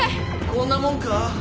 こんなもんか？